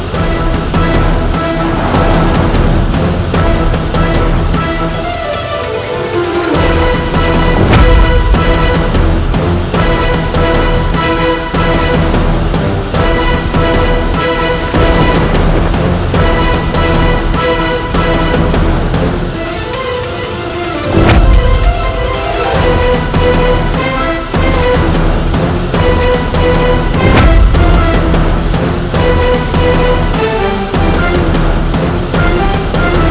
saya bukan kekuatan